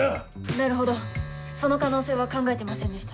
なるほどその可能性は考えていませんでした。